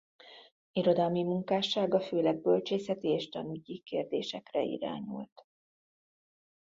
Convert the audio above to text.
Irodalmi munkássága főleg bölcsészeti és tanügyi kérdésekre irányult.